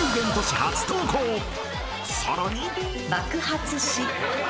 ［さらに］